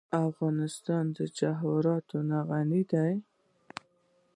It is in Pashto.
افغانستان په جواهرات غني دی.